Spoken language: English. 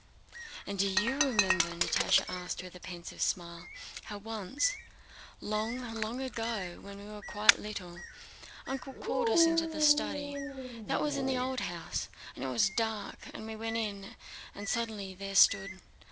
"And do you remember," Natásha asked with a pensive smile, "how once, long, long ago, when we were quite little, Uncle called us into the study—that was in the old house—and it was dark—we went in and suddenly there stood..."